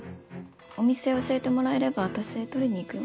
お店教えてもらえれば私取りに行くよ。